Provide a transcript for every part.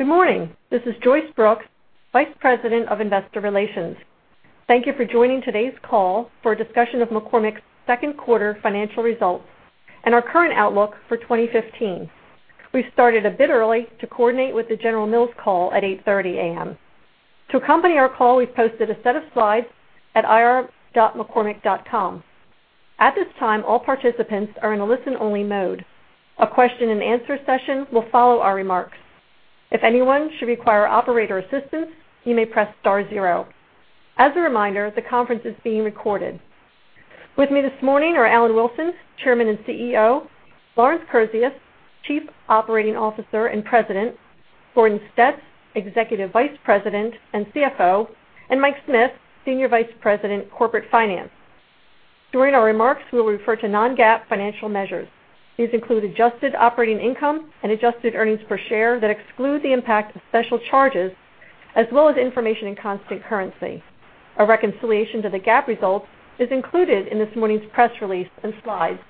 Good morning. This is Joyce Brooks, Vice President of Investor Relations. Thank you for joining today's call for a discussion of McCormick's second quarter financial results and our current outlook for 2015. We started a bit early to coordinate with the General Mills call at 8:30 A.M. To accompany our call, we've posted a set of slides at ir.mccormick.com. At this time, all participants are in a listen-only mode. A question-and-answer session will follow our remarks. If anyone should require operator assistance, you may press star zero. As a reminder, the conference is being recorded. With me this morning are Alan Wilson, Chairman and CEO; Lawrence Kurzius, Chief Operating Officer and President; Gordon Stetz, Executive Vice President and CFO; and Mike Smith, Senior Vice President, Corporate Finance. During our remarks, we will refer to non-GAAP financial measures. These include adjusted operating income and adjusted earnings per share that exclude the impact of special charges, as well as information in constant currency. A reconciliation to the GAAP results is included in this morning's press release and slides.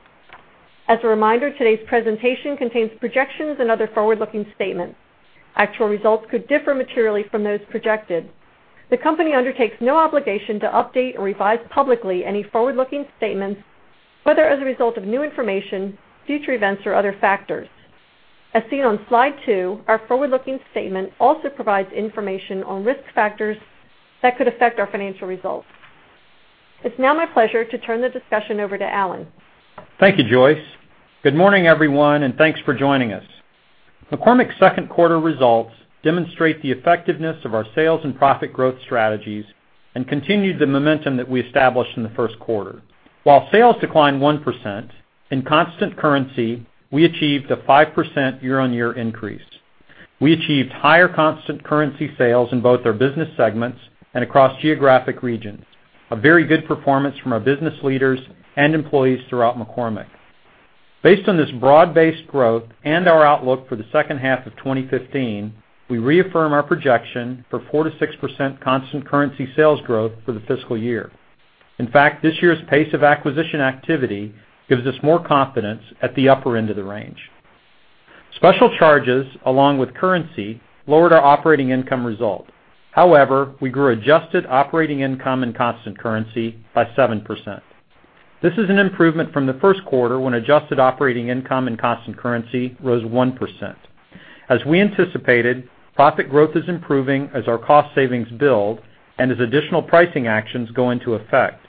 As a reminder, today's presentation contains projections and other forward-looking statements. Actual results could differ materially from those projected. The company undertakes no obligation to update or revise publicly any forward-looking statements, whether as a result of new information, future events, or other factors. As seen on Slide 2, our forward-looking statement also provides information on risk factors that could affect our financial results. It's now my pleasure to turn the discussion over to Alan. Thank you, Joyce. Good morning, everyone, and thanks for joining us. McCormick's second quarter results demonstrate the effectiveness of our sales and profit growth strategies and continued the momentum that we established in the first quarter. While sales declined 1%, in constant currency, we achieved a 5% year-on-year increase. We achieved higher constant currency sales in both our business segments and across geographic regions, a very good performance from our business leaders and employees throughout McCormick. Based on this broad-based growth and our outlook for the second half of 2015, we reaffirm our projection for 4%-6% constant currency sales growth for the fiscal year. In fact, this year's pace of acquisition activity gives us more confidence at the upper end of the range. Special charges, along with currency, lowered our operating income result. However, we grew adjusted operating income in constant currency by 7%. This is an improvement from the first quarter, when adjusted operating income in constant currency rose 1%. As we anticipated, profit growth is improving as our cost savings build and as additional pricing actions go into effect.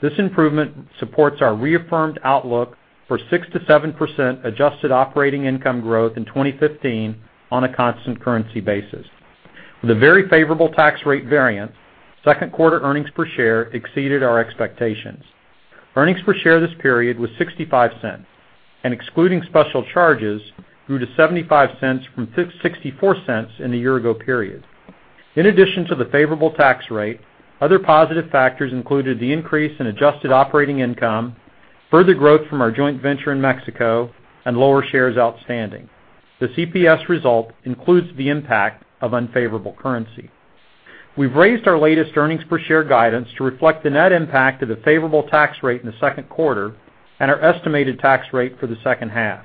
This improvement supports our reaffirmed outlook for 6%-7% adjusted operating income growth in 2015 on a constant currency basis. With a very favorable tax rate variance, second quarter earnings per share exceeded our expectations. Earnings per share this period was $0.65, and excluding special charges, grew to $0.75 from $0.64 in the year-ago period. In addition to the favorable tax rate, other positive factors included the increase in adjusted operating income, further growth from our joint venture in Mexico, and lower shares outstanding. The EPS result includes the impact of unfavorable currency. We have raised our latest earnings per share guidance to reflect the net impact of the favorable tax rate in the second quarter and our estimated tax rate for the second half.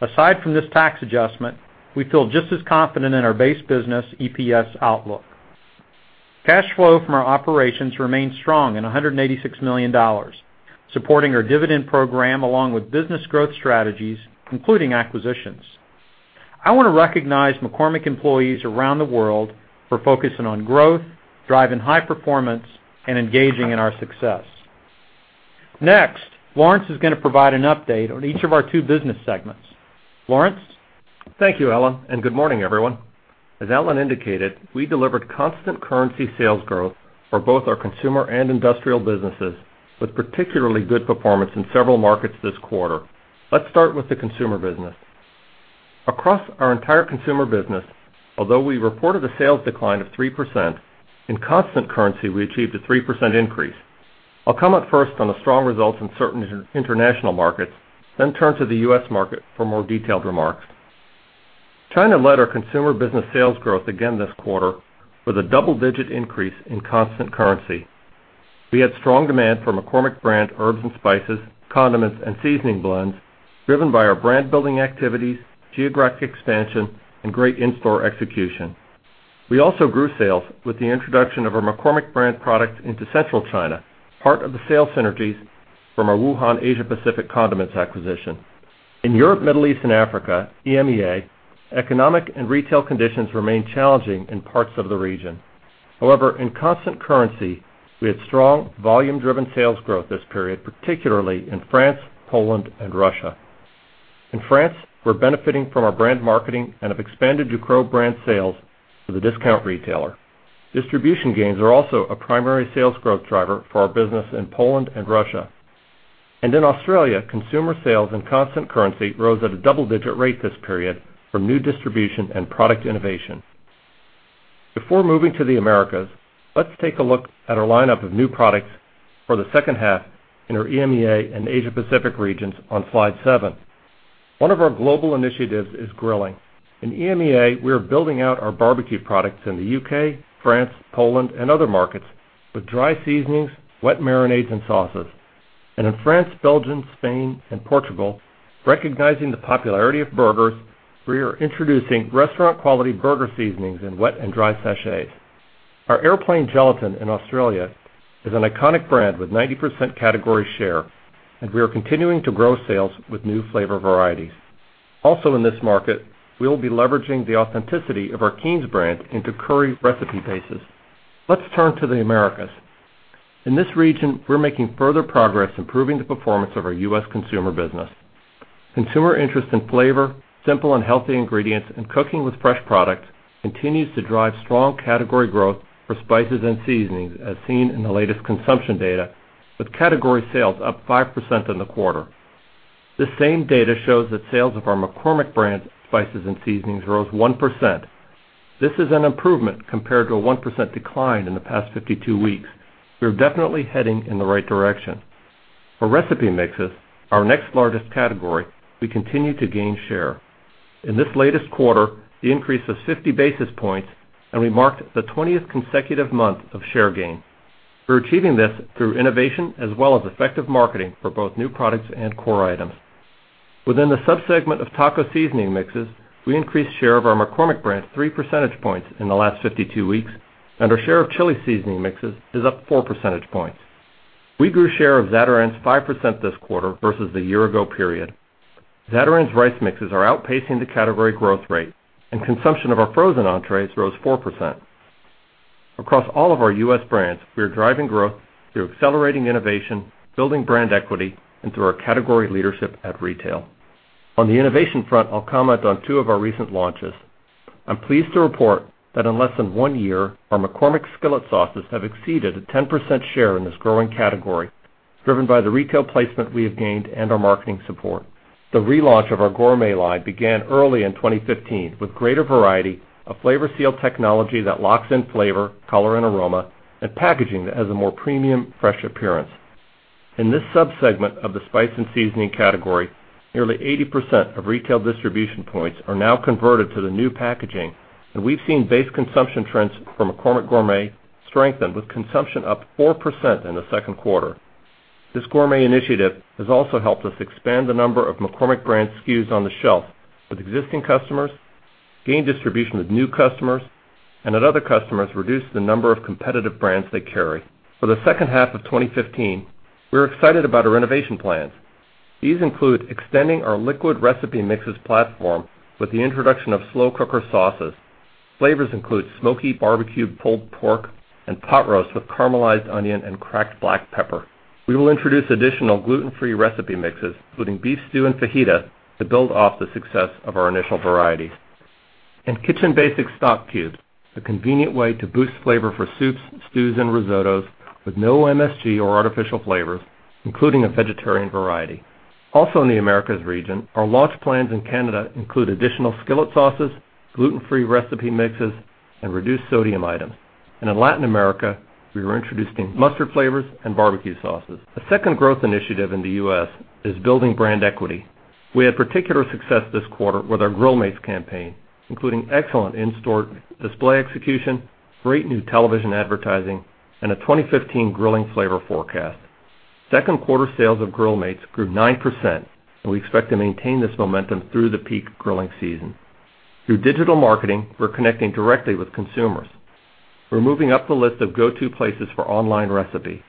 Aside from this tax adjustment, we feel just as confident in our base business EPS outlook. Cash flow from our operations remained strong at $186 million, supporting our dividend program along with business growth strategies, including acquisitions. I want to recognize McCormick employees around the world for focusing on growth, driving high performance, and engaging in our success. Next, Lawrence is going to provide an update on each of our two business segments. Lawrence. Thank you, Alan. Good morning, everyone. As Alan indicated, we delivered constant currency sales growth for both our consumer and industrial businesses, with particularly good performance in several markets this quarter. Let's start with the consumer business. Across our entire consumer business, although we reported a sales decline of 3%, in constant currency, we achieved a 3% increase. I will comment first on the strong results in certain international markets, then turn to the U.S. market for more detailed remarks. China led our consumer business sales growth again this quarter with a double-digit increase in constant currency. We had strong demand for McCormick brand herbs and spices, condiments, and seasoning blends, driven by our brand-building activities, geographic expansion, and great in-store execution. We also grew sales with the introduction of our McCormick brand products into Central China, part of the sales synergies from our Wuhan Asia-Pacific Condiments acquisition. In Europe, Middle East, and Africa, EMEA, economic and retail conditions remain challenging in parts of the region. However, in constant currency, we had strong volume-driven sales growth this period, particularly in France, Poland, and Russia. In France, we are benefiting from our brand marketing and have expanded Ducros brand sales to the discount retailer. Distribution gains are also a primary sales growth driver for our business in Poland and Russia. In Australia, consumer sales in constant currency rose at a double-digit rate this period from new distribution and product innovation. Before moving to the Americas, let's take a look at our lineup of new products for the second half in our EMEA and Asia Pacific regions on Slide seven. One of our global initiatives is grilling. In EMEA, we are building out our barbecue products in the U.K., France, Poland, and other markets with dry seasonings, wet marinades, and sauces. In France, Belgium, Spain, and Portugal, recognizing the popularity of burgers, we are introducing restaurant quality burger seasonings in wet and dry sachets. Our Aeroplane Jelly in Australia is an iconic brand with 90% category share. We are continuing to grow sales with new flavor varieties. Also in this market, we will be leveraging the authenticity of our Keen's brand into curry recipe bases. Let's turn to the Americas. In this region, we are making further progress improving the performance of our U.S. consumer business. Consumer interest in flavor, simple and healthy ingredients, and cooking with fresh products continues to drive strong category growth for spices and seasonings, as seen in the latest consumption data, with category sales up 5% in the quarter. This same data shows that sales of our McCormick brand spices and seasonings rose 1%. This is an improvement compared to a 1% decline in the past 52 weeks. We are definitely heading in the right direction. For recipe mixes, our next largest category, we continue to gain share. In this latest quarter, the increase of 50 basis points, and we marked the 20th consecutive month of share gain. We're achieving this through innovation as well as effective marketing for both new products and core items. Within the sub-segment of taco seasoning mixes, we increased share of our McCormick brand three percentage points in the last 52 weeks, and our share of chili seasoning mixes is up four percentage points. We grew share of Zatarain's 5% this quarter versus the year ago period. Zatarain's rice mixes are outpacing the category growth rate, and consumption of our frozen entrees rose 4%. Across all of our U.S. brands, we are driving growth through accelerating innovation, building brand equity, and through our category leadership at retail. On the innovation front, I'll comment on two of our recent launches. I'm pleased to report that in less than one year, our McCormick skillet sauces have exceeded a 10% share in this growing category, driven by the retail placement we have gained and our marketing support. The relaunch of our gourmet line began early in 2015 with greater variety of flavor seal technology that locks in flavor, color, and aroma, and packaging that has a more premium, fresh appearance. In this sub-segment of the spice and seasoning category, nearly 80% of retail distribution points are now converted to the new packaging, and we've seen base consumption trends for McCormick Gourmet strengthen with consumption up 4% in the second quarter. This gourmet initiative has also helped us expand the number of McCormick brand SKUs on the shelf with existing customers, gain distribution with new customers, and at other customers, reduce the number of competitive brands they carry. For the second half of 2015, we're excited about our innovation plans. These include extending our liquid recipe mixes platform with the introduction of slow cooker sauces. Flavors include smoky barbecue pulled pork and pot roast with caramelized onion and cracked black pepper. We will introduce additional gluten-free recipe mixes, including beef stew and fajita, to build off the success of our initial varieties. Kitchen Basics stock cubes, a convenient way to boost flavor for soups, stews, and risottos with no MSG or artificial flavors, including a vegetarian variety. Also in the Americas region, our launch plans in Canada include additional skillet sauces, gluten-free recipe mixes, and reduced sodium items. In Latin America, we are introducing mustard flavors and barbecue sauces. A second growth initiative in the U.S. is building brand equity. We had particular success this quarter with our Grill Mates campaign, including excellent in-store display execution, great new television advertising, and a 2015 grilling flavor forecast. Second quarter sales of Grill Mates grew 9%, and we expect to maintain this momentum through the peak grilling season. Through digital marketing, we're connecting directly with consumers. We're moving up the list of go-to places for online recipes.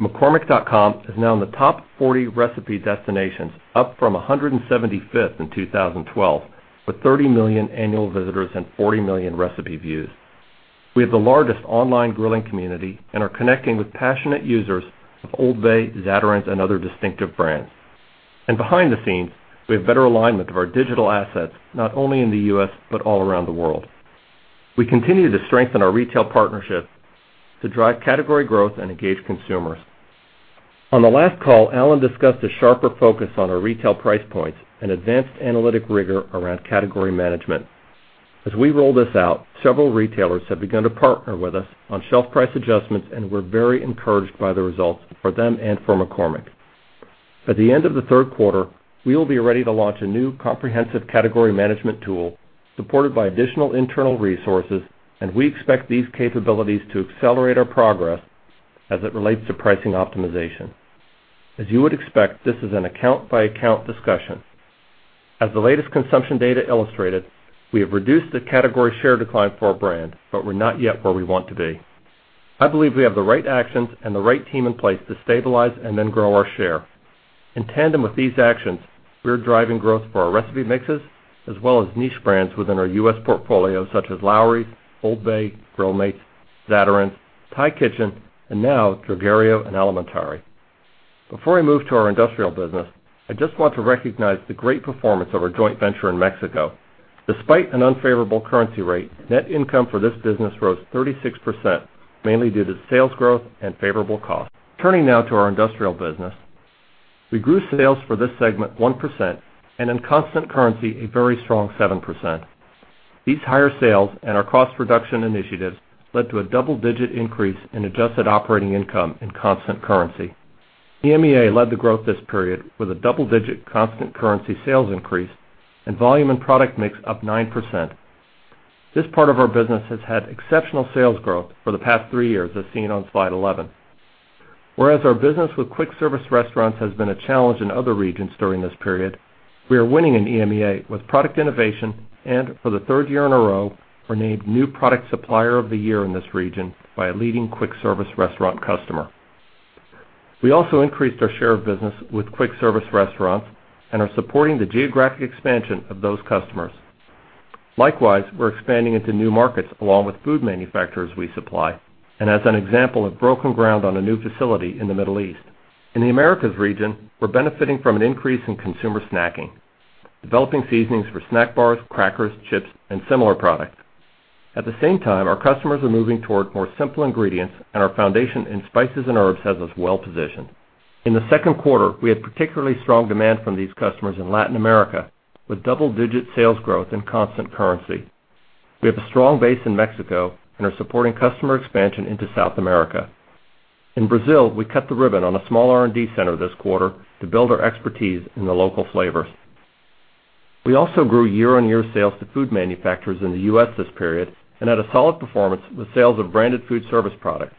mccormick.com is now in the top 40 recipe destinations, up from 175th in 2012, with 30 million annual visitors and 40 million recipe views. We have the largest online grilling community and are connecting with passionate users of Old Bay, Zatarain's, and other distinctive brands. Behind the scenes, we have better alignment of our digital assets, not only in the U.S., but all around the world. We continue to strengthen our retail partnerships to drive category growth and engage consumers. On the last call, Alan discussed a sharper focus on our retail price points and advanced analytic rigor around category management. As we roll this out, several retailers have begun to partner with us on shelf price adjustments, and we're very encouraged by the results for them and for McCormick. At the end of the third quarter, we will be ready to launch a new comprehensive category management tool supported by additional internal resources, and we expect these capabilities to accelerate our progress as it relates to pricing optimization. As you would expect, this is an account by account discussion. As the latest consumption data illustrated, we have reduced the category share decline for our brand, but we're not yet where we want to be. I believe we have the right actions and the right team in place to stabilize and then grow our share. In tandem with these actions, we're driving growth for our recipe mixes as well as niche brands within our U.S. portfolio such as Lawry's, Old Bay, Grill Mates, Zatarain's, Thai Kitchen, and now, Drogheria & Alimentari. Before I move to our industrial business, I just want to recognize the great performance of our joint venture in Mexico. Despite an unfavorable currency rate, net income for this business rose 36%, mainly due to sales growth and favorable costs. Turning now to our industrial business. We grew sales for this segment 1%, and in constant currency, a very strong 7%. These higher sales and our cost reduction initiatives led to a double-digit increase in adjusted operating income in constant currency. EMEA led the growth this period with a double-digit constant currency sales increase and volume and product mix up 9%. This part of our business has had exceptional sales growth for the past three years, as seen on slide 11. Whereas our business with quick service restaurants has been a challenge in other regions during this period, we are winning in EMEA with product innovation, and for the third year in a row, were named New Product Supplier of the Year in this region by a leading quick service restaurant customer. We also increased our share of business with quick service restaurants and are supporting the geographic expansion of those customers. Likewise, we're expanding into new markets along with food manufacturers we supply, and as an example, have broken ground on a new facility in the Middle East. In the Americas region, we're benefiting from an increase in consumer snacking, developing seasonings for snack bars, crackers, chips, and similar products. At the same time, our customers are moving toward more simple ingredients, and our foundation in spices and herbs has us well positioned. In the second quarter, we had particularly strong demand from these customers in Latin America, with double-digit sales growth in constant currency. We have a strong base in Mexico and are supporting customer expansion into South America. In Brazil, we cut the ribbon on a small R&D center this quarter to build our expertise in the local flavors. We also grew year-over-year sales to food manufacturers in the U.S. this period and had a solid performance with sales of branded food service products.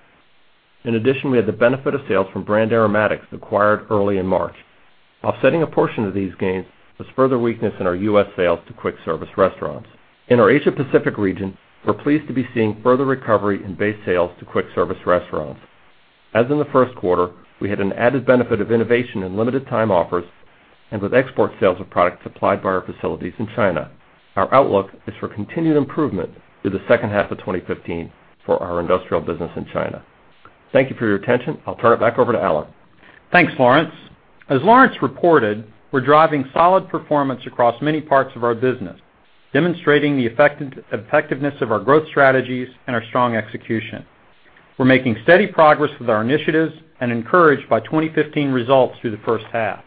In addition, we had the benefit of sales from Brand Aromatics acquired early in March. Offsetting a portion of these gains was further weakness in our U.S. sales to quick service restaurants. In our Asia Pacific region, we're pleased to be seeing further recovery in base sales to quick service restaurants. As in the first quarter, we had an added benefit of innovation and limited time offers, and with export sales of products supplied by our facilities in China. Our outlook is for continued improvement through the second half of 2015 for our industrial business in China. Thank you for your attention. I'll turn it back over to Alan. Thanks, Lawrence. As Lawrence reported, we're driving solid performance across many parts of our business, demonstrating the effectiveness of our growth strategies and our strong execution. We're making steady progress with our initiatives and encouraged by 2015 results through the first half.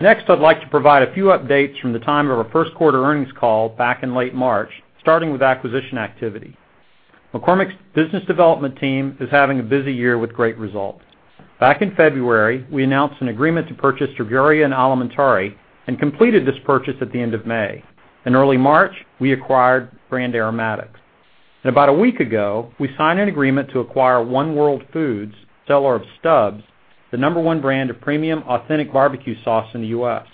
Next, I'd like to provide a few updates from the time of our first quarter earnings call back in late March, starting with acquisition activity. McCormick's business development team is having a busy year with great results. Back in February, we announced an agreement to purchase Drogheria & Alimentari and completed this purchase at the end of May. In early March, we acquired Brand Aromatics. About a week ago, we signed an agreement to acquire One World Foods, seller of Stubb's, the number 1 brand of premium authentic barbecue sauce in the U.S.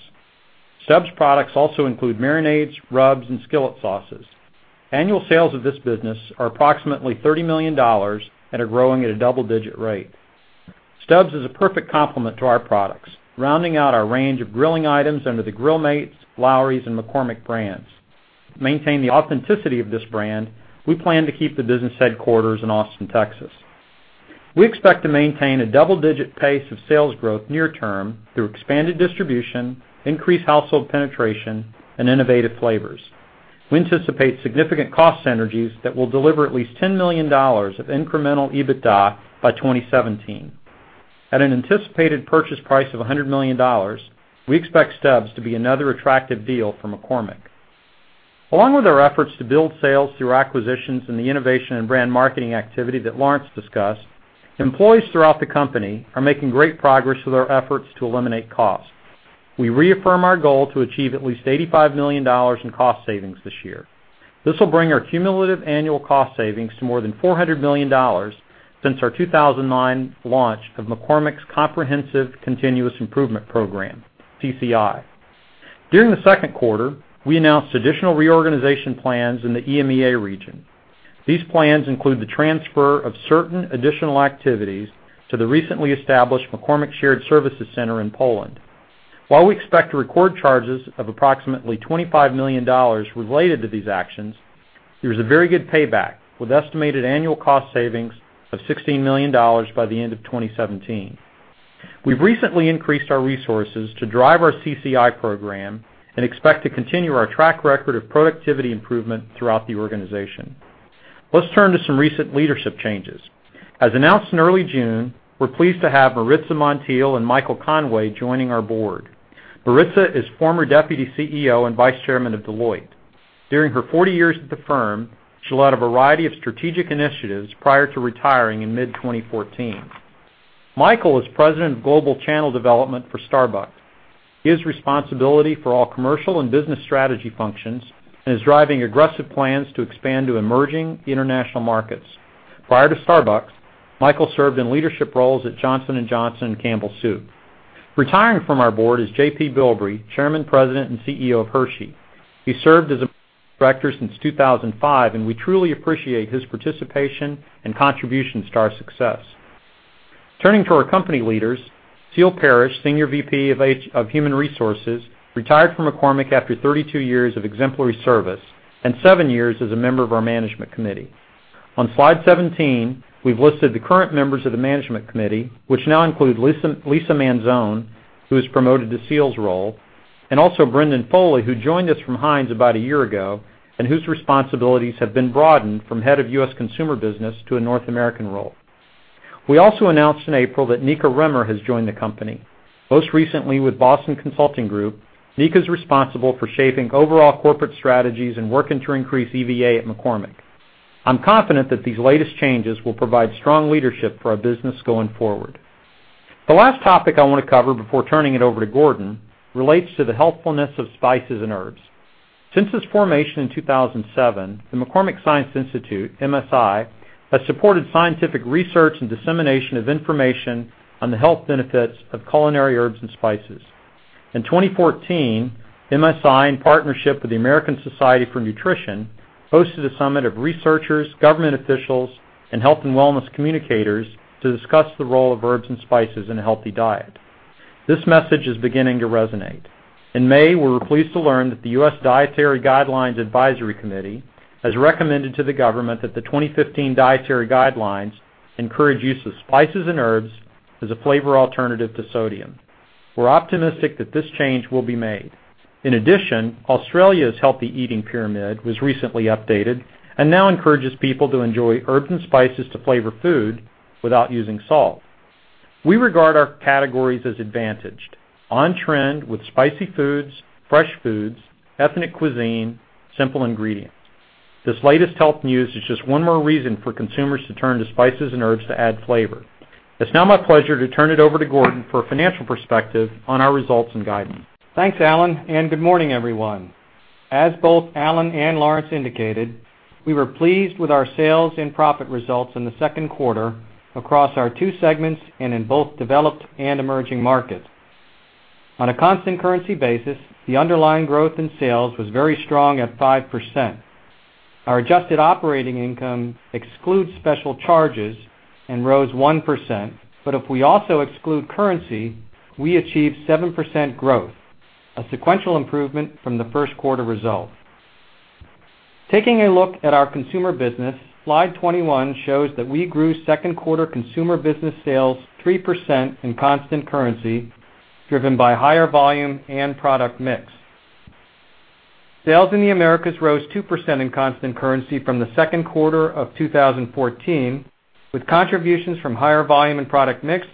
Stubb's products also include marinades, rubs, and skillet sauces. Annual sales of this business are approximately $30 million and are growing at a double-digit rate. Stubb's is a perfect complement to our products, rounding out our range of grilling items under the Grill Mates, Lawry's, and McCormick brands. To maintain the authenticity of this brand, we plan to keep the business headquarters in Austin, Texas. We expect to maintain a double-digit pace of sales growth near term through expanded distribution, increased household penetration, and innovative flavors. We anticipate significant cost synergies that will deliver at least $10 million of incremental EBITDA by 2017. At an anticipated purchase price of $100 million, we expect Stubb's to be another attractive deal for McCormick. Along with our efforts to build sales through acquisitions and the innovation and brand marketing activity that Lawrence discussed, employees throughout the company are making great progress with our efforts to eliminate costs. We reaffirm our goal to achieve at least $85 million in cost savings this year. This will bring our cumulative annual cost savings to more than $400 million since our 2009 launch of McCormick's comprehensive Continuous Improvement program, CCI. During the second quarter, we announced additional reorganization plans in the EMEA region. These plans include the transfer of certain additional activities to the recently established McCormick Shared Services center in Poland. While we expect to record charges of approximately $25 million related to these actions, there is a very good payback, with estimated annual cost savings of $16 million by the end of 2017. We've recently increased our resources to drive our CCI program and expect to continue our track record of productivity improvement throughout the organization. Let's turn to some recent leadership changes. As announced in early June, we're pleased to have Maritza Montiel and Michael Conway joining our board. Maritza is former deputy CEO and vice chairman of Deloitte. During her 40 years at the firm, she led a variety of strategic initiatives prior to retiring in mid-2014. Michael is President of Global Channel Development for Starbucks. He has responsibility for all commercial and business strategy functions and is driving aggressive plans to expand to emerging international markets. Prior to Starbucks, Michael served in leadership roles at Johnson & Johnson and Campbell Soup. Retiring from our board is J.P. Bilbrey, chairman, president, and CEO of Hershey. He served as a director since 2005, and we truly appreciate his participation and contributions to our success. Turning to our company leaders, Ceil Parrish, Senior VP of Human Resources, retired from McCormick after 32 years of exemplary service and seven years as a member of our management committee. On slide 17, we've listed the current members of the management committee, which now include Lisa Manzone, who was promoted to Ceil's role, and also Brendan Foley, who joined us from Heinz about a year ago and whose responsibilities have been broadened from head of U.S. consumer business to a North American role. We also announced in April that Nneka Rimmer has joined the company. Most recently with Boston Consulting Group, Nneka's responsible for shaping overall corporate strategies and working to increase EVA at McCormick. I'm confident that these latest changes will provide strong leadership for our business going forward. The last topic I want to cover before turning it over to Gordon relates to the helpfulness of spices and herbs. Since its formation in 2007, the McCormick Science Institute, MSI, has supported scientific research and dissemination of information on the health benefits of culinary herbs and spices. In 2014, MSI, in partnership with the American Society for Nutrition, hosted a summit of researchers, government officials, and health and wellness communicators to discuss the role of herbs and spices in a healthy diet. This message is beginning to resonate. In May, we were pleased to learn that the U.S. Dietary Guidelines Advisory Committee has recommended to the government that the 2015 dietary guidelines encourage use of spices and herbs as a flavor alternative to sodium. We're optimistic that this change will be made. In addition, Australia's healthy eating pyramid was recently updated and now encourages people to enjoy herbs and spices to flavor food without using salt. We regard our categories as advantaged, on-trend with spicy foods, fresh foods, ethnic cuisine, simple ingredients. This latest health news is just one more reason for consumers to turn to spices and herbs to add flavor. It's now my pleasure to turn it over to Gordon for a financial perspective on our results and guidance. Thanks, Alan, and good morning, everyone. As both Alan and Lawrence indicated, we were pleased with our sales and profit results in the second quarter across our two segments and in both developed and emerging markets. On a constant currency basis, the underlying growth in sales was very strong at 5%. Our adjusted operating income excludes special charges and rose 1%, but if we also exclude currency, we achieved 7% growth, a sequential improvement from the first quarter result. Taking a look at our consumer business, slide 21 shows that we grew second quarter consumer business sales 3% in constant currency, driven by higher volume and product mix. Sales in the Americas rose 2% in constant currency from the second quarter of 2014, with contributions from higher volume and product mix,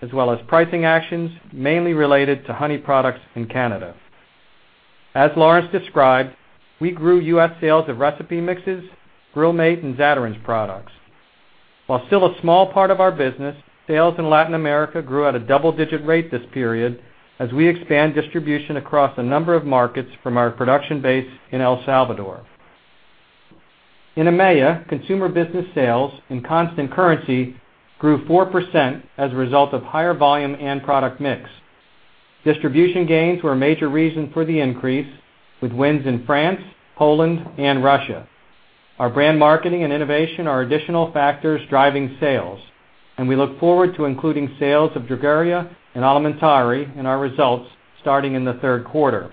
as well as pricing actions, mainly related to honey products in Canada. As Lawrence described, we grew U.S. sales of recipe mixes, Grill Mates, and Zatarain's products. While still a small part of our business, sales in Latin America grew at a double-digit rate this period as we expand distribution across a number of markets from our production base in El Salvador. In EMEA, consumer business sales in constant currency grew 4% as a result of higher volume and product mix. Distribution gains were a major reason for the increase, with wins in France, Poland, and Russia. Our brand marketing and innovation are additional factors driving sales. We look forward to including sales of Drogheria & Alimentari in our results starting in the third quarter.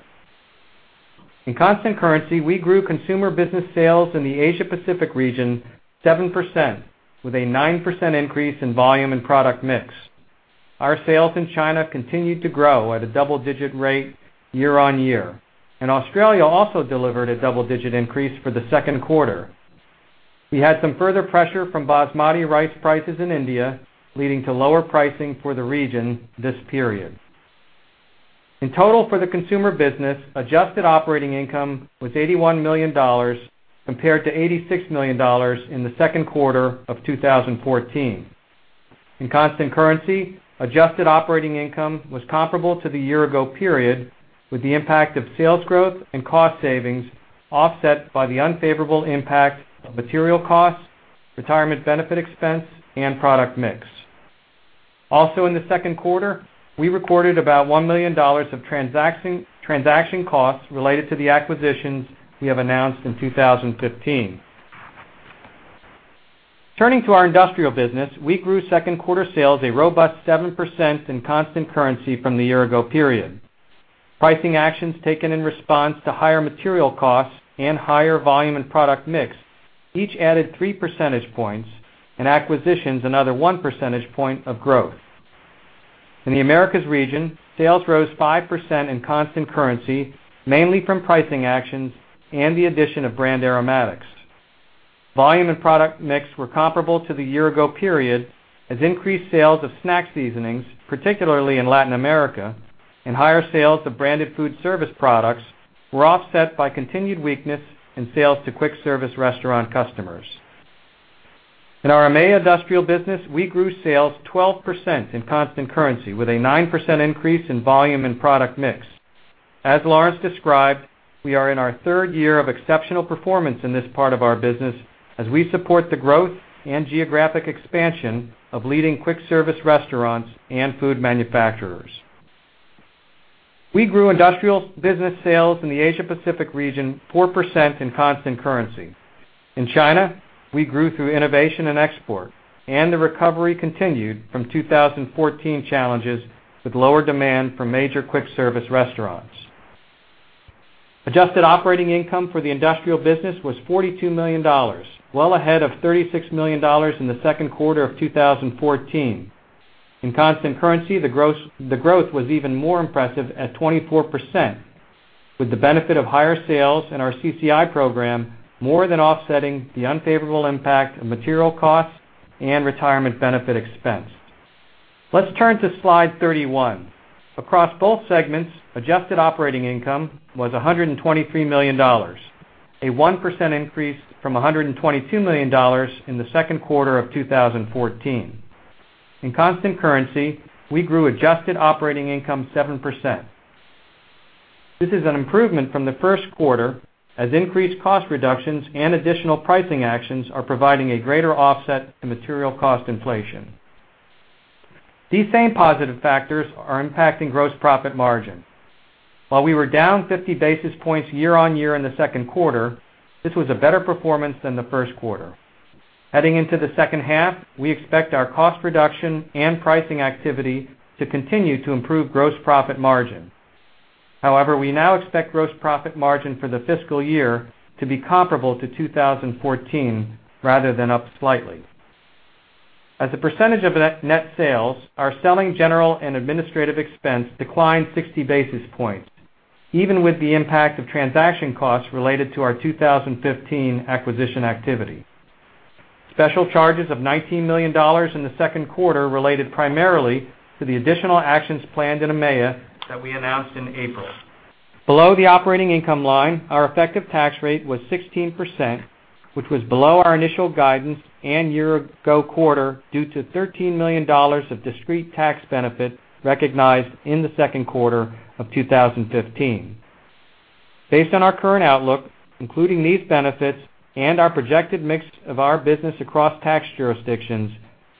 In constant currency, we grew consumer business sales in the Asia Pacific region 7%, with a 9% increase in volume and product mix. Our sales in China continued to grow at a double-digit rate year-on-year, and Australia also delivered a double-digit increase for the second quarter. We had some further pressure from basmati rice prices in India, leading to lower pricing for the region this period. In total, for the consumer business, adjusted operating income was $81 million, compared to $86 million in the second quarter of 2014. In constant currency, adjusted operating income was comparable to the year-ago period, with the impact of sales growth and cost savings offset by the unfavorable impact of material costs, retirement benefit expense, and product mix. Also, in the second quarter, we recorded about $1 million of transaction costs related to the acquisitions we have announced in 2015. Turning to our industrial business, we grew second quarter sales a robust 7% in constant currency from the year-ago period. Pricing actions taken in response to higher material costs and higher volume and product mix each added three percentage points, and acquisitions another one percentage point of growth. In the Americas region, sales rose 5% in constant currency, mainly from pricing actions and the addition of Brand Aromatics. Volume and product mix were comparable to the year-ago period, as increased sales of snack seasonings, particularly in Latin America, and higher sales of branded food service products were offset by continued weakness in sales to quick service restaurant customers. In our EMEA industrial business, we grew sales 12% in constant currency, with a 9% increase in volume and product mix. As Lawrence described, we are in our third year of exceptional performance in this part of our business as we support the growth and geographic expansion of leading quick service restaurants and food manufacturers. We grew industrial business sales in the Asia Pacific region 4% in constant currency. In China, we grew through innovation and export, and the recovery continued from 2014 challenges with lower demand from major quick service restaurants. Adjusted operating income for the industrial business was $42 million, well ahead of $36 million in the second quarter of 2014. In constant currency, the growth was even more impressive at 24%, with the benefit of higher sales in our CCI program more than offsetting the unfavorable impact of material costs and retirement benefit expense. Let's turn to slide 31. Across both segments, adjusted operating income was $123 million. A 1% increase from $122 million in the second quarter of 2014. In constant currency, we grew adjusted operating income 7%. This is an improvement from the first quarter, as increased cost reductions and additional pricing actions are providing a greater offset to material cost inflation. These same positive factors are impacting gross profit margin. While we were down 50 basis points year-on-year in the second quarter, this was a better performance than the first quarter. Heading into the second half, we expect our cost reduction and pricing activity to continue to improve gross profit margin. However, we now expect gross profit margin for the fiscal year to be comparable to 2014 rather than up slightly. As a percentage of net sales, our selling, general and administrative expense declined 60 basis points, even with the impact of transaction costs related to our 2015 acquisition activity. Special charges of $19 million in the second quarter related primarily to the additional actions planned in EMEA that we announced in April. Below the operating income line, our effective tax rate was 16%, which was below our initial guidance and year ago quarter due to $13 million of discrete tax benefit recognized in the second quarter of 2015. Based on our current outlook, including these benefits and our projected mix of our business across tax jurisdictions,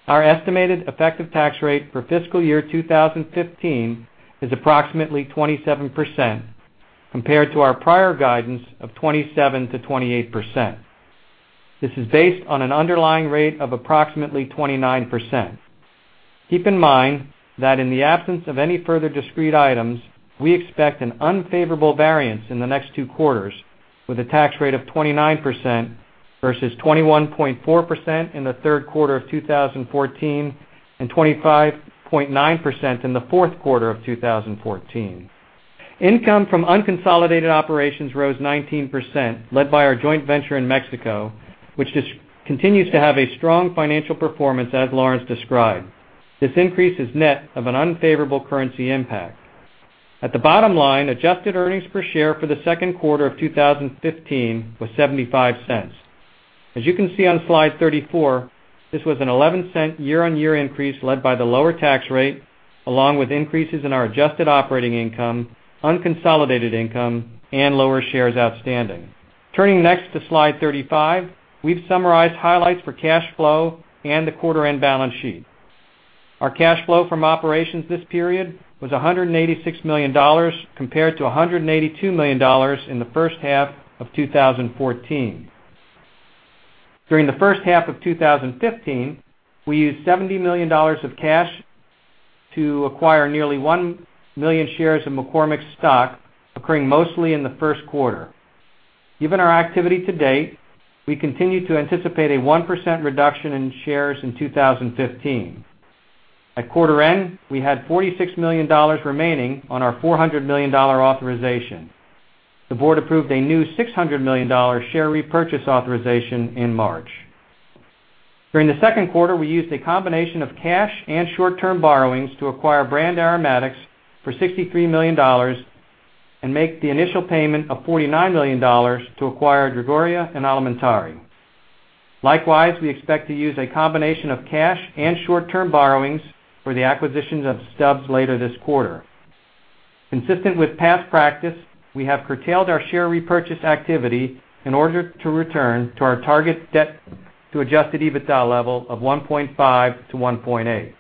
our estimated effective tax rate for fiscal year 2015 is approximately 27%, compared to our prior guidance of 27%-28%. This is based on an underlying rate of approximately 29%. Keep in mind that in the absence of any further discrete items, we expect an unfavorable variance in the next two quarters, with a tax rate of 29% versus 21.4% in the third quarter of 2014 and 25.9% in the fourth quarter of 2014. Income from unconsolidated operations rose 19%, led by our joint venture in Mexico, which continues to have a strong financial performance, as Lawrence described. This increase is net of an unfavorable currency impact. At the bottom line, adjusted earnings per share for the second quarter of 2015 was $0.75. As you can see on Slide 34, this was an $0.11 year-on-year increase led by the lower tax rate, along with increases in our adjusted operating income, unconsolidated income, and lower shares outstanding. Turning next to slide 35. We've summarized highlights for cash flow and the quarter end balance sheet. Our cash flow from operations this period was $186 million, compared to $182 million in the first half of 2014. During the first half of 2015, we used $70 million of cash to acquire nearly one million shares of McCormick's stock, occurring mostly in the first quarter. Given our activity to date, we continue to anticipate a 1% reduction in shares in 2015. At quarter end, we had $46 million remaining on our $400 million authorization. The board approved a new $600 million share repurchase authorization in March. During the second quarter, we used a combination of cash and short-term borrowings to acquire Brand Aromatics for $63 million and make the initial payment of $49 million to acquire Drogheria & Alimentari. Likewise, we expect to use a combination of cash and short-term borrowings for the acquisitions of Stubb's later this quarter. Consistent with past practice, we have curtailed our share repurchase activity in order to return to our target debt to adjusted EBITDA level of 1.5-1.8.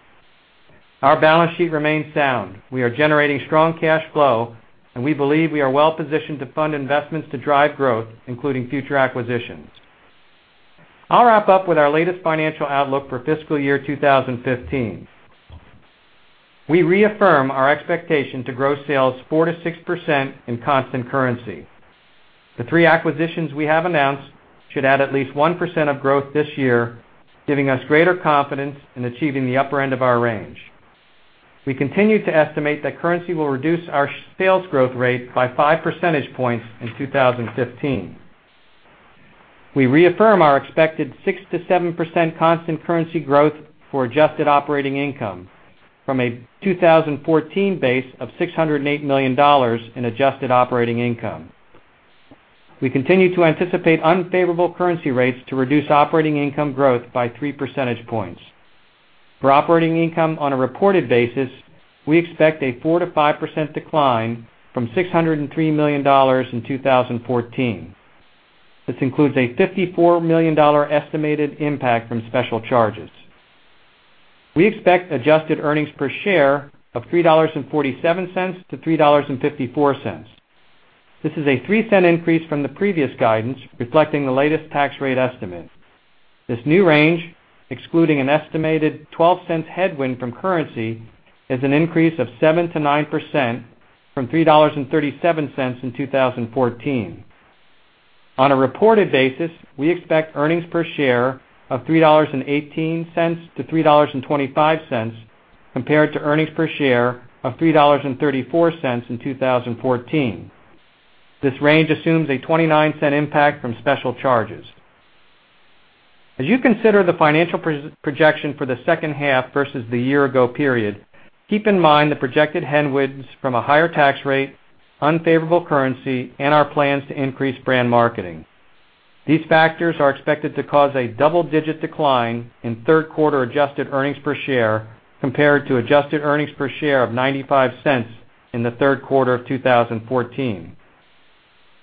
Our balance sheet remains sound. We are generating strong cash flow, and we believe we are well positioned to fund investments to drive growth, including future acquisitions. I'll wrap up with our latest financial outlook for fiscal year 2015. We reaffirm our expectation to grow sales 4%-6% in constant currency. The three acquisitions we have announced should add at least 1% of growth this year, giving us greater confidence in achieving the upper end of our range. We continue to estimate that currency will reduce our sales growth rate by five percentage points in 2015. We reaffirm our expected 6%-7% constant currency growth for adjusted operating income from a 2014 base of $608 million in adjusted operating income. We continue to anticipate unfavorable currency rates to reduce operating income growth by three percentage points. For operating income on a reported basis, we expect a 4%-5% decline from $603 million in 2014. This includes a $54 million estimated impact from special charges. We expect adjusted earnings per share of $3.47-$3.54. This is a $0.03 increase from the previous guidance, reflecting the latest tax rate estimate. This new range, excluding an estimated $0.12 headwind from currency, is an increase of 7%-9% from $3.37 in 2014. On a reported basis, we expect earnings per share of $3.18-$3.25, compared to earnings per share of $3.34 in 2014. This range assumes a $0.29 impact from special charges. As you consider the financial projection for the second half versus the year-ago period, keep in mind the projected headwinds from a higher tax rate, unfavorable currency, and our plans to increase brand marketing. These factors are expected to cause a double-digit decline in third quarter adjusted earnings per share compared to adjusted earnings per share of $0.95 in the third quarter of 2014.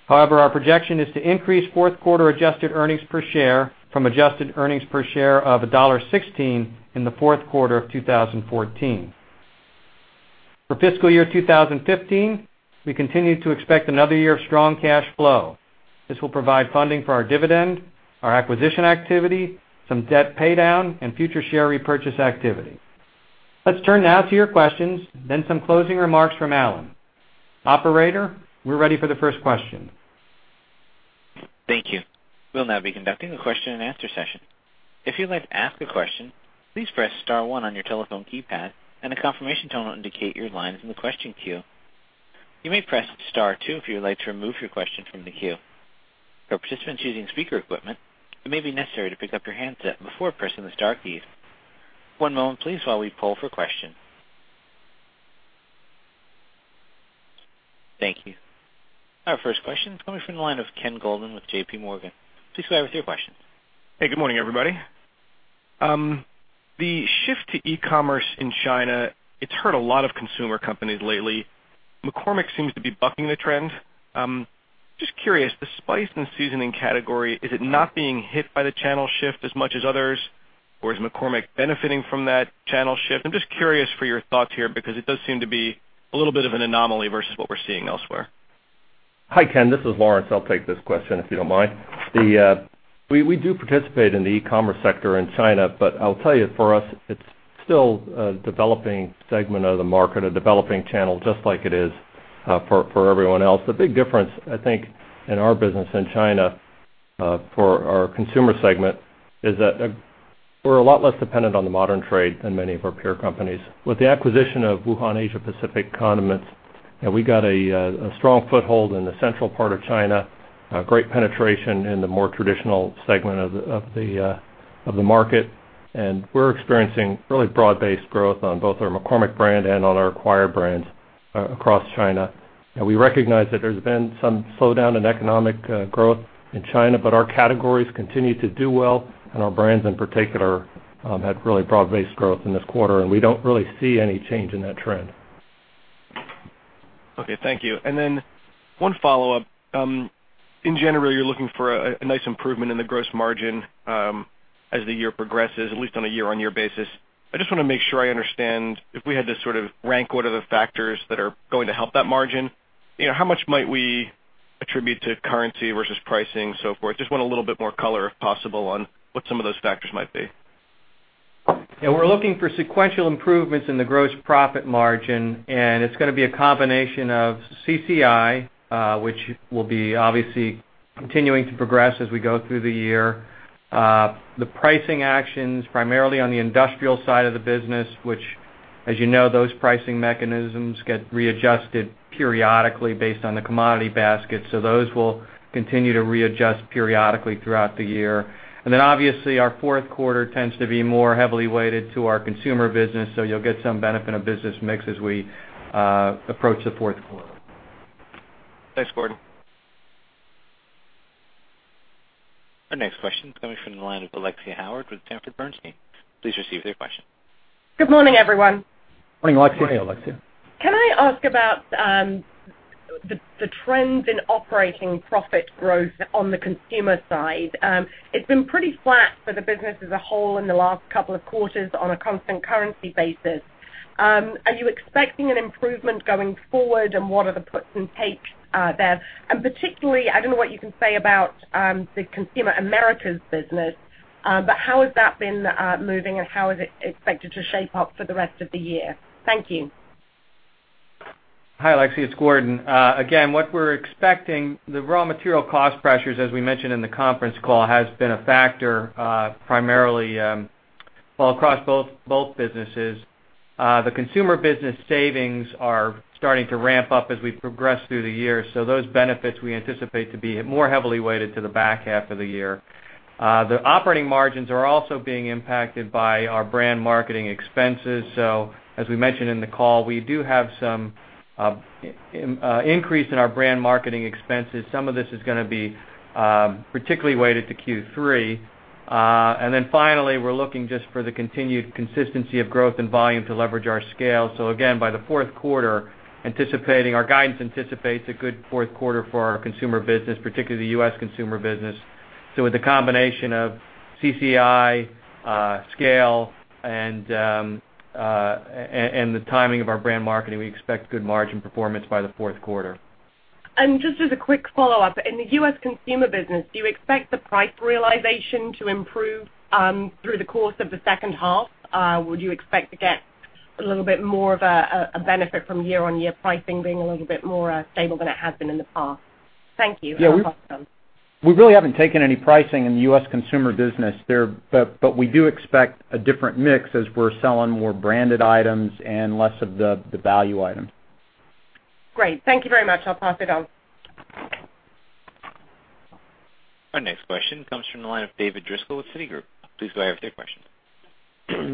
Our projection is to increase fourth quarter adjusted earnings per share from adjusted earnings per share of $1.16 in the fourth quarter of 2014. For fiscal year 2015, we continue to expect another year of strong cash flow. This will provide funding for our dividend, our acquisition activity, some debt paydown, and future share repurchase activity. Let's turn now to your questions, then some closing remarks from Alan. Operator, we're ready for the first question. Thank you. We'll now be conducting a question and answer session. If you'd like to ask a question, please press *1 on your telephone keypad, and a confirmation tone will indicate your line is in the question queue. You may press *2 if you would like to remove your question from the queue. For participants using speaker equipment, it may be necessary to pick up your handset before pressing the star keys. One moment, please, while we poll for question. Thank you. Our first question is coming from the line of Ken Goldman with J.P. Morgan. Please go ahead with your question. Hey, good morning, everybody. The shift to e-commerce in China, it's hurt a lot of consumer companies lately. McCormick seems to be bucking the trend. Just curious, the spice and seasoning category, is it not being hit by the channel shift as much as others, or is McCormick benefiting from that channel shift? I'm just curious for your thoughts here, because it does seem to be a little bit of an anomaly versus what we're seeing elsewhere. Hi, Ken. This is Lawrence. I'll take this question, if you don't mind. We do participate in the e-commerce sector in China, but I'll tell you, for us, it's still a developing segment of the market, a developing channel, just like it is for everyone else. The big difference, I think, in our business in China, for our consumer segment, is that we're a lot less dependent on the modern trade than many of our peer companies. With the acquisition of Wuhan Asia-Pacific Condiments, we got a strong foothold in the central part of China, great penetration in the more traditional segment of the market, and we're experiencing really broad-based growth on both our McCormick brand and on our acquired brands across China. We recognize that there's been some slowdown in economic growth in China, Our categories continue to do well, Our brands in particular had really broad-based growth in this quarter, and we don't really see any change in that trend. Okay. Thank you. One follow-up. In general, you're looking for a nice improvement in the gross margin as the year progresses, at least on a year-over-year basis. I just want to make sure I understand, if we had to sort of rank what are the factors that are going to help that margin, how much might we attribute to currency versus pricing, so forth? Just want a little bit more color, if possible, on what some of those factors might be. Yeah, we're looking for sequential improvements in the gross profit margin. It's going to be a combination of CCI, which will be obviously continuing to progress as we go through the year. The pricing actions, primarily on the industrial side of the business, which, as you know, those pricing mechanisms get readjusted periodically based on the commodity basket. Those will continue to readjust periodically throughout the year. Obviously, our fourth quarter tends to be more heavily weighted to our consumer business, so you'll get some benefit of business mix as we approach the fourth quarter. Thanks, Gordon. Our next question is coming from the line of Alexia Howard with Sanford Bernstein. Please receive your question. Good morning, everyone. Morning, Alexia. Hey, Alexia. Can I ask about the trends in operating profit growth on the consumer side? It's been pretty flat for the business as a whole in the last couple of quarters on a constant currency basis. Are you expecting an improvement going forward, and what are the puts and takes there? Particularly, I don't know what you can say about the Consumer Americas business, but how has that been moving, and how is it expected to shape up for the rest of the year? Thank you. Hi, Alexia. It's Gordon. What we're expecting, the raw material cost pressures, as we mentioned in the conference call, has been a factor primarily across both businesses. The consumer business savings are starting to ramp up as we progress through the year, those benefits we anticipate to be more heavily weighted to the back half of the year. The operating margins are also being impacted by our brand marketing expenses. As we mentioned in the call, we do have some increase in our brand marketing expenses. Some of this is going to be particularly weighted to Q3. Finally, we're looking just for the continued consistency of growth and volume to leverage our scale. Again, by the fourth quarter, our guidance anticipates a good fourth quarter for our consumer business, particularly the U.S. consumer business. With the combination of CCI, scale, and the timing of our brand marketing, we expect good margin performance by the fourth quarter. Just as a quick follow-up, in the U.S. consumer business, do you expect the price realization to improve through the course of the second half? Would you expect to get a little bit more of a benefit from year-on-year pricing being a little bit more stable than it has been in the past? Thank you. Yeah. Last one. We really haven't taken any pricing in the U.S. consumer business there, but we do expect a different mix as we're selling more branded items and less of the value items. Great. Thank you very much. I'll pass it on. Our next question comes from the line of David Driscoll with Citigroup. Please go ahead with your question.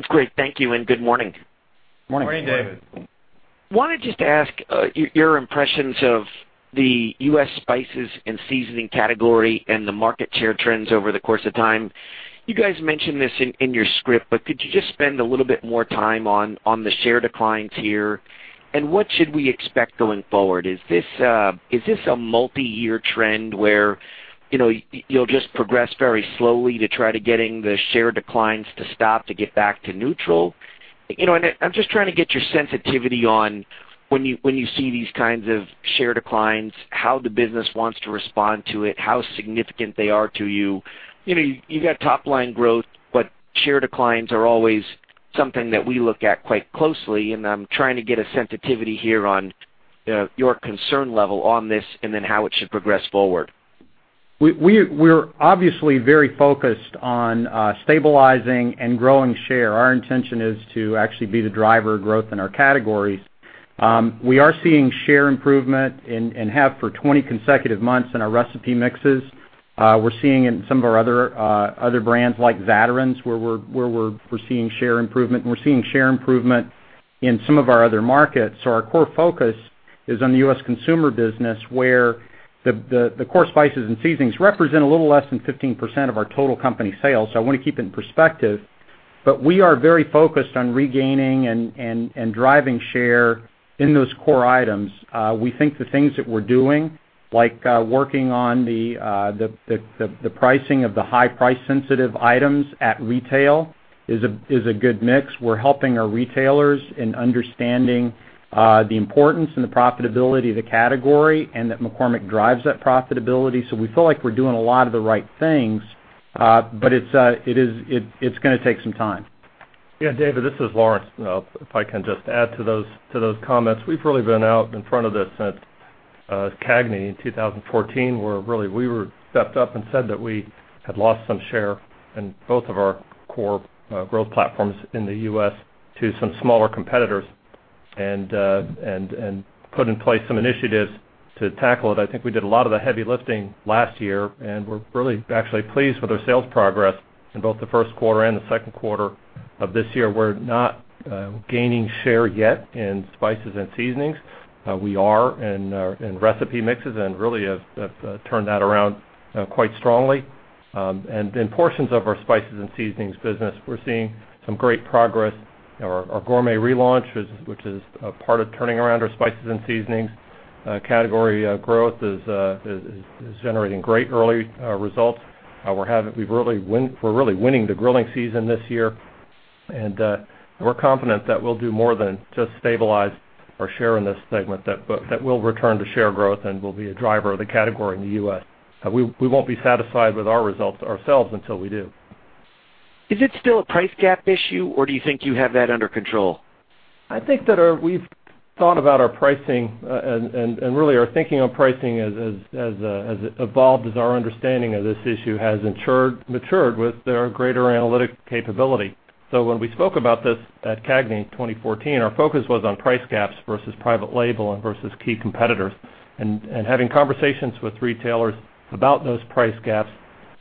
Great. Thank you, and good morning. Morning. Morning, David. Wanted just to ask your impressions of the U.S. spices and seasoning category and the market share trends over the course of time. You guys mentioned this in your script, could you just spend a little bit more time on the share declines here? What should we expect going forward? Is this a multi-year trend where you'll just progress very slowly to try to getting the share declines to stop to get back to neutral? I'm just trying to get your sensitivity on when you see these kinds of share declines, how the business wants to respond to it, how significant they are to you. You've got top-line growth, share declines are always something that we look at quite closely, and I'm trying to get a sensitivity here on your concern level on this and then how it should progress forward. We're obviously very focused on stabilizing and growing share. Our intention is to actually be the driver of growth in our categories. We are seeing share improvement and have for 20 consecutive months in our recipe mixes. We're seeing in some of our other brands like Zatarain's, where we're seeing share improvement, and we're seeing share improvement in some of our other markets. Our core focus is on the U.S. consumer business, where the core spices and seasonings represent a little less than 15% of our total company sales. I want to keep it in perspective, we are very focused on regaining and driving share in those core items. We think the things that we're doing, like working on the pricing of the high price sensitive items at retail is a good mix. We're helping our retailers in understanding the importance and the profitability of the category and that McCormick drives that profitability. We feel like we're doing a lot of the right things, it's going to take some time. David, this is Lawrence. If I can just add to those comments. We've really been out in front of this at CAGNY in 2014, where really we stepped up and said that we had lost some share in both of our core growth platforms in the U.S. to some smaller competitors and put in place some initiatives to tackle it. I think we did a lot of the heavy lifting last year, and we're really actually pleased with our sales progress in both the first quarter and the second quarter of this year. We're not gaining share yet in spices and seasonings. We are in recipe mixes and really have turned that around quite strongly. In portions of our spices and seasonings business, we're seeing some great progress. Our Gourmet relaunch, which is a part of turning around our spices and seasonings category growth, is generating great early results. We're really winning the grilling season this year, and we're confident that we'll do more than just stabilize our share in this segment, that we'll return to share growth and will be a driver of the category in the U.S. We won't be satisfied with our results ourselves until we do. Is it still a price gap issue, or do you think you have that under control? I think that we've thought about our pricing and really our thinking on pricing has evolved as our understanding of this issue has matured with our greater analytic capability. When we spoke about this at CAGNY 2014, our focus was on price gaps versus private label and versus key competitors, and having conversations with retailers about those price gaps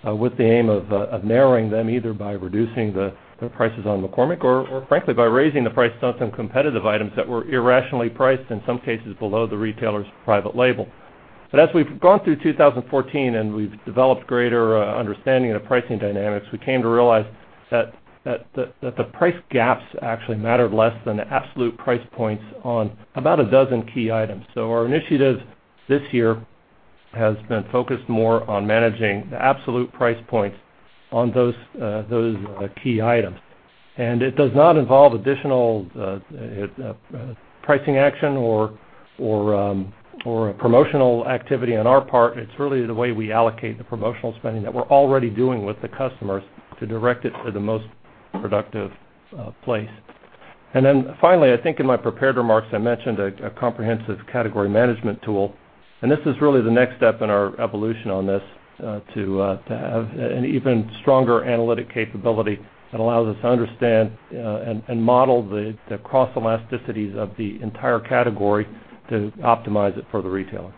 with the aim of narrowing them, either by reducing the prices on McCormick or frankly, by raising the price on some competitive items that were irrationally priced, in some cases below the retailer's private label. As we've gone through 2014 and we've developed greater understanding of the pricing dynamics, we came to realize that the price gaps actually mattered less than the absolute price points on about a dozen key items. Our initiatives this year have been focused more on managing the absolute price points on those key items. It does not involve additional pricing action or promotional activity on our part. It's really the way we allocate the promotional spending that we're already doing with the customers to direct it to the most productive place. Finally, I think in my prepared remarks, I mentioned a comprehensive category management tool, and this is really the next step in our evolution on this, to have an even stronger analytic capability that allows us to understand and model the cross elasticities of the entire category to optimize it for the retailer.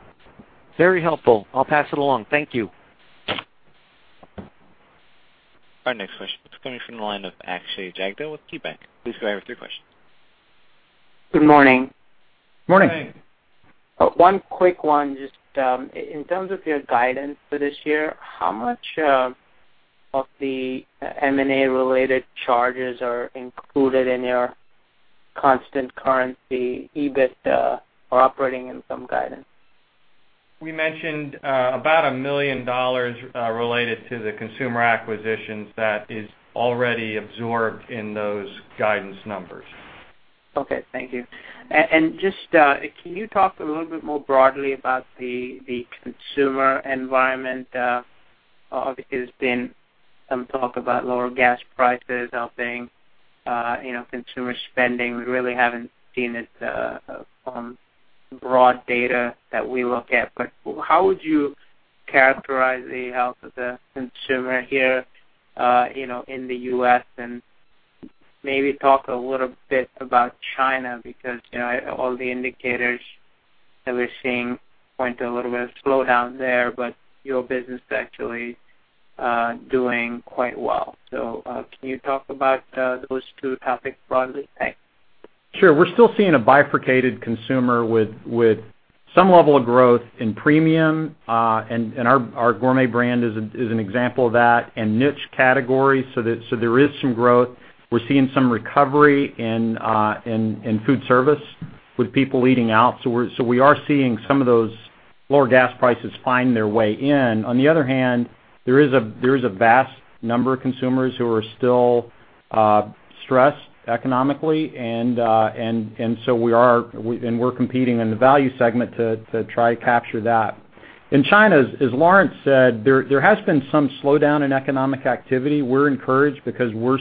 Very helpful. I'll pass it along. Thank you. Our next question is coming from the line of Akshay Jagdale with KeyBanc. Please go ahead with your question. Good morning. Morning. Morning. One quick one. Just in terms of your guidance for this year, how much of the M&A related charges are included in your constant currency EBIT or operating income guidance? We mentioned about $1 million related to the consumer acquisitions that is already absorbed in those guidance numbers. Okay. Thank you. Just, can you talk a little bit more broadly about the consumer environment? Obviously, there's been some talk about lower gas prices helping consumer spending. We really haven't seen it from broad data that we look at, but how would you characterize the health of the consumer here in the U.S. and Maybe talk a little bit about China, because all the indicators that we're seeing point to a little bit of slowdown there, but your business is actually doing quite well. Can you talk about those two topics broadly? Thanks. Sure. We're still seeing a bifurcated consumer with some level of growth in premium, and our McCormick Gourmet brand is an example of that, and niche categories. There is some growth. We're seeing some recovery in food service with people eating out. We are seeing some of those lower gas prices find their way in. On the other hand, there is a vast number of consumers who are still stressed economically, and we're competing in the value segment to try to capture that. In China, as Lawrence said, there has been some slowdown in economic activity. We're encouraged because we're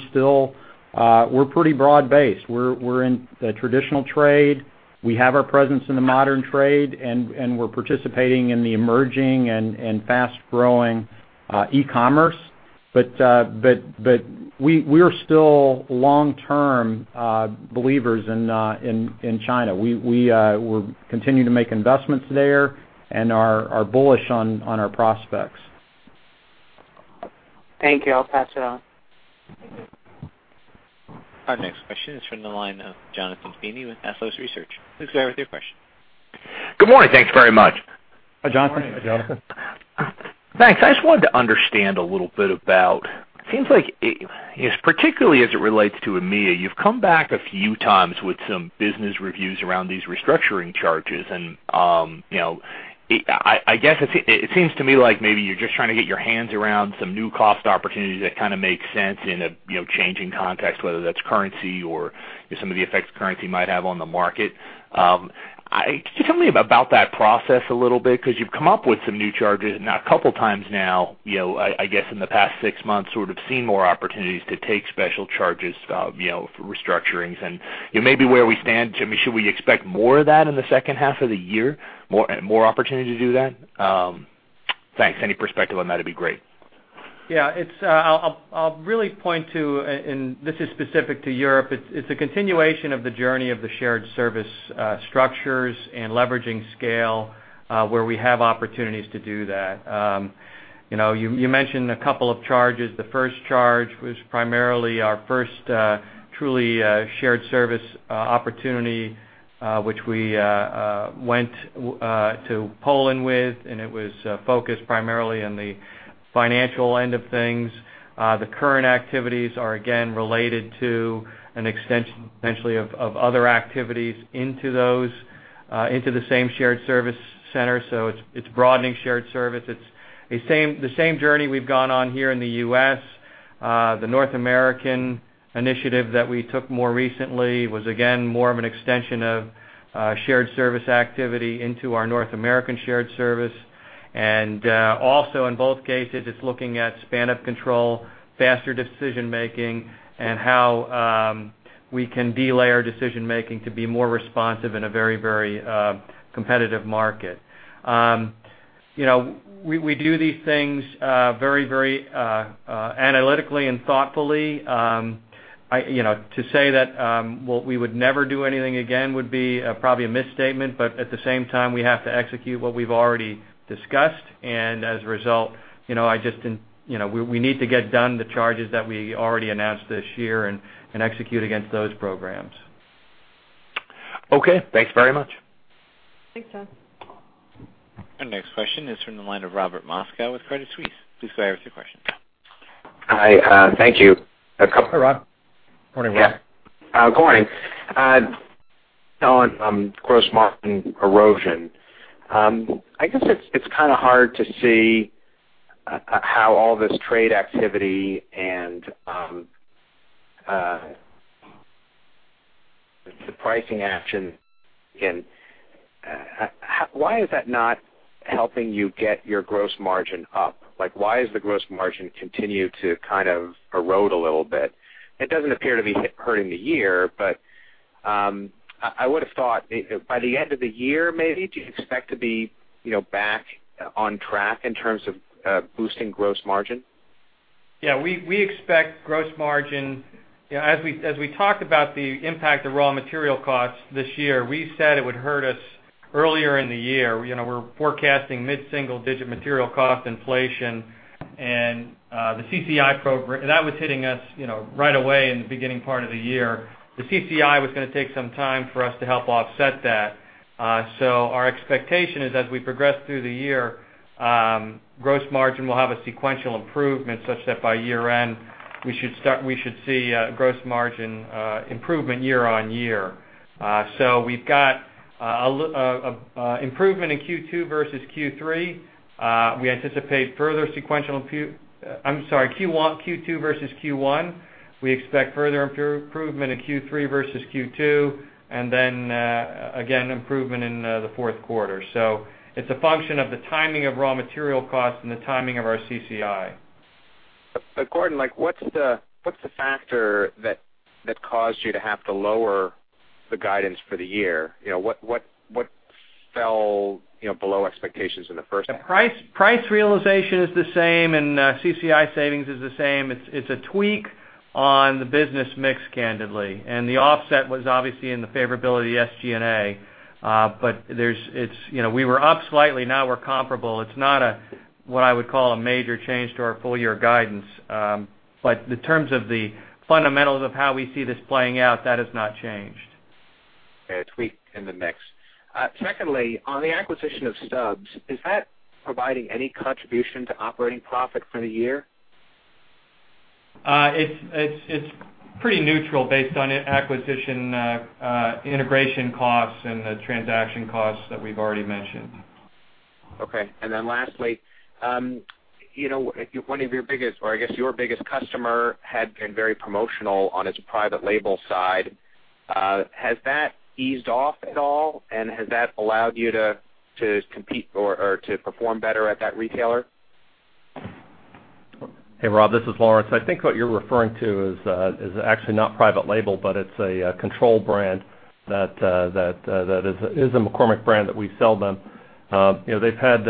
pretty broad-based. We're in the traditional trade. We have our presence in the modern trade, and we're participating in the emerging and fast-growing e-commerce. We are still long-term believers in China. We're continuing to make investments there and are bullish on our prospects. Thank you. I'll pass it on. Our next question is from the line of Jonathan Feeney with Athlos Research. Please go ahead with your question. Good morning. Thanks very much. Hi, Jonathan. Morning. Hi, Jonathan. Thanks. I just wanted to understand a little bit about, it seems like, particularly as it relates to EMEA, you've come back a few times with some business reviews around these restructuring charges. I guess it seems to me like maybe you're just trying to get your hands around some new cost opportunities that kind of make sense in a changing context, whether that's currency or some of the effects currency might have on the market. Can you tell me about that process a little bit? Because you've come up with some new charges now a couple of times now, I guess in the past six months, sort of seen more opportunities to take special charges for restructurings and maybe where we stand. Should we expect more of that in the second half of the year? More opportunities to do that? Thanks. Any perspective on that'd be great. Yeah. I'll really point to, this is specific to Europe, it's a continuation of the journey of the shared service structures and leveraging scale, where we have opportunities to do that. You mentioned a couple of charges. The first charge was primarily our first truly shared service opportunity, which we went to Poland with, and it was focused primarily on the financial end of things. The current activities are again related to an extension, potentially, of other activities into the same shared service center. It's broadening shared service. It's the same journey we've gone on here in the U.S. The North American initiative that we took more recently was, again, more of an extension of shared service activity into our North American shared service. Also, in both cases, it's looking at span of control, faster decision-making, and how we can delay our decision-making to be more responsive in a very competitive market. We do these things very analytically and thoughtfully. To say that we would never do anything again would be probably a misstatement. At the same time, we have to execute what we've already discussed. As a result, we need to get done the charges that we already announced this year and execute against those programs. Okay. Thanks very much. Thanks, Jon. Our next question is from the line of Robert Moskow with Credit Suisse. Please go ahead with your question. Hi. Thank you. Hi, Rob. Morning, Rob. Yeah. Good morning. On gross margin erosion, I guess it's kind of hard to see how all this trade activity and the pricing action, why is that not helping you get your gross margin up? Why is the gross margin continue to kind of erode a little bit? It doesn't appear to be hurting the year, but I would've thought by the end of the year, maybe, do you expect to be back on track in terms of boosting gross margin? Yeah. We expect gross margin. As we talked about the impact of raw material costs this year, we said it would hurt us earlier in the year. We're forecasting mid-single-digit material cost inflation. That was hitting us right away in the beginning part of the year. The CCI was going to take some time for us to help offset that. Our expectation is, as we progress through the year, gross margin will have a sequential improvement such that by year-end, we should see a gross margin improvement year-on-year. We've got improvement in Q2 versus Q3. We anticipate. I'm sorry, Q2 versus Q1. We expect further improvement in Q3 versus Q2. Again, improvement in the fourth quarter. It's a function of the timing of raw material costs and the timing of our CCI. Gordon, what is the factor that caused you to have to lower the guidance for the year? What factors fell below expectations in the first half? The price realization is the same, CCI savings is the same. It is a tweak on the business mix, candidly. The offset was obviously in the favorability of SG&A. We were up slightly, now we are comparable. It is not what I would call a major change to our full year guidance. The terms of the fundamentals of how we see this playing out, that has not changed. A tweak in the mix. Secondly, on the acquisition of Stubb's, is that providing any contribution to operating profit for the year? It is pretty neutral based on acquisition integration costs and the transaction costs that we have already mentioned. Okay, then lastly, one of your biggest, or I guess your biggest customer had been very promotional on its private label side. Has that eased off at all, has that allowed you to compete or to perform better at that retailer? Hey, Rob, this is Lawrence. I think what you're referring to is actually not private label, but it's a control brand that is a McCormick brand that we sell them. That's had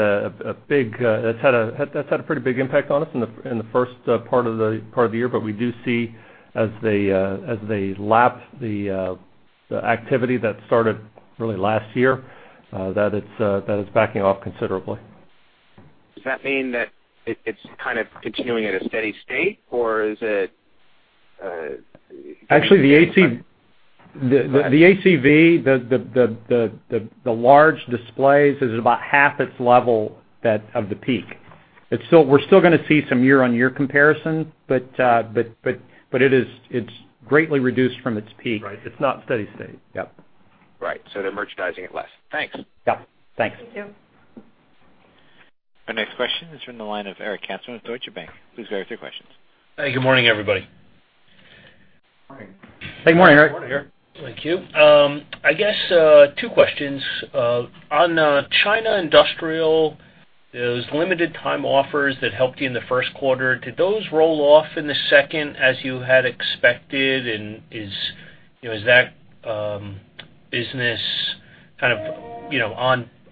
a pretty big impact on us in the first part of the year, we do see as they lap the activity that started really last year, that it's backing off considerably. Does that mean that it's kind of continuing at a steady state or is it? Actually, the ACV, the large displays is about half its level of the peak. We're still going to see some year-on-year comparison, it's greatly reduced from its peak. Right. It's not steady state. Yep. Right. They're merchandising it less. Thanks. Yeah. Thanks. Thank you. Our next question is from the line of Eric Katzman with Deutsche Bank. Please go ahead with your questions. Good morning, everybody. Morning. Good morning, Eric. Morning, Eric. Thank you. I guess 2 questions. On China industrial, those limited time offers that helped you in the Q1, did those roll off in the Q2 as you had expected? Is that business kind of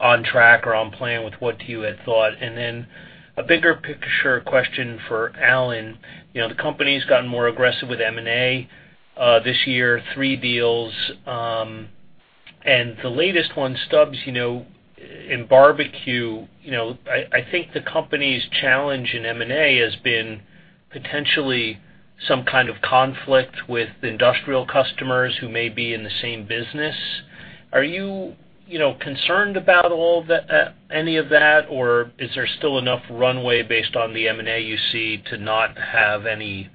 on track or on plan with what you had thought? A bigger picture question for Alan. The company's gotten more aggressive with M&A this year, 3 deals, and the latest one, Stubb's, in barbecue. I think the company's challenge in M&A has been potentially some kind of conflict with industrial customers who may be in the same business. Are you concerned about any of that, or is there still enough runway based on the M&A you see to not have any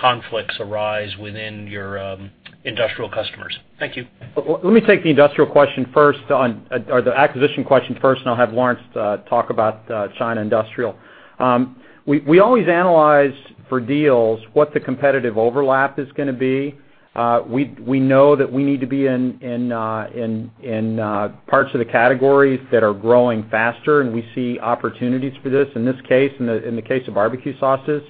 conflicts arise within your industrial customers? Thank you. Let me take the industrial question first or the acquisition question first, and I'll have Lawrence talk about China industrial. We always analyze for deals what the competitive overlap is going to be. We know that we need to be in parts of the categories that are growing faster, and we see opportunities for this. In this case, in the case of barbecue sauces,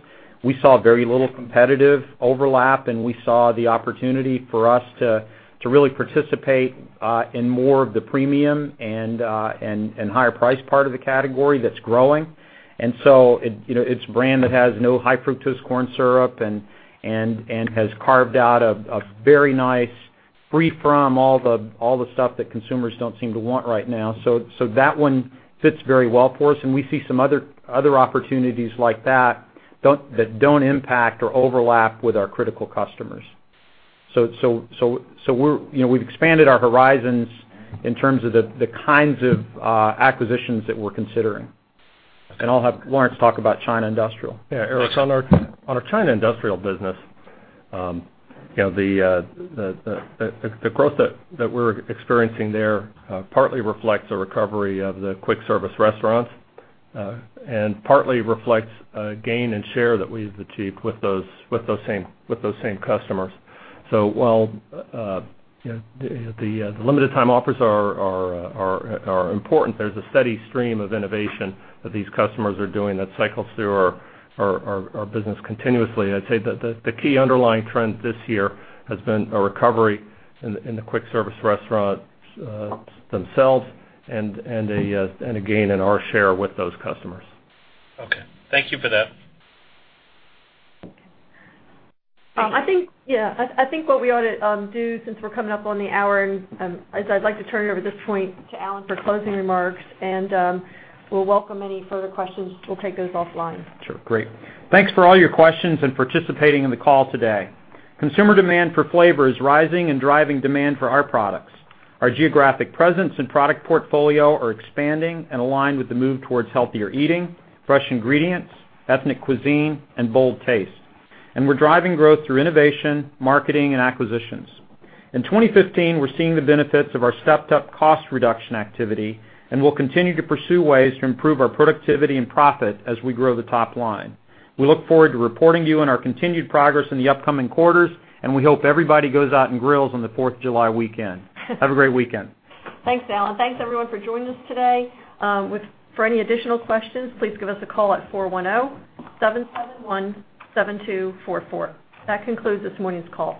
we saw very little competitive overlap, and we saw the opportunity for us to really participate in more of the premium and higher price part of the category that's growing. It's a brand that has no high fructose corn syrup and has carved out a very nice free from all the stuff that consumers don't seem to want right now. That one fits very well for us, and we see some other opportunities like that don't impact or overlap with our critical customers. We've expanded our horizons in terms of the kinds of acquisitions that we're considering. I'll have Lawrence talk about China industrial. Yeah, Erik, on our China industrial business, the growth that we're experiencing there partly reflects a recovery of the quick service restaurants, and partly reflects a gain in share that we've achieved with those same customers. While the limited time offers are important, there's a steady stream of innovation that these customers are doing that cycles through our business continuously. I'd say that the key underlying trend this year has been a recovery in the quick service restaurants themselves and a gain in our share with those customers. Okay. Thank you for that. I think what we ought to do, since we're coming up on the hour, is I'd like to turn it over at this point to Alan for closing remarks. We'll welcome any further questions. We'll take those offline. Sure. Great. Thanks for all your questions and participating in the call today. Consumer demand for flavor is rising and driving demand for our products. Our geographic presence and product portfolio are expanding and aligned with the move towards healthier eating, fresh ingredients, ethnic cuisine, and bold taste. We're driving growth through innovation, marketing, and acquisitions. In 2015, we're seeing the benefits of our stepped up cost reduction activity, and we'll continue to pursue ways to improve our productivity and profit as we grow the top line. We look forward to reporting to you on our continued progress in the upcoming quarters, and we hope everybody goes out and grills on the Fourth of July weekend. Have a great weekend. Thanks, Alan. Thanks, everyone, for joining us today. For any additional questions, please give us a call at 410-771-7244. That concludes this morning's call.